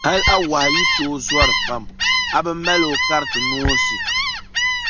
Hal a wɔhu yi tooi zɔri pam, a bi mal’ o kariti noonsi.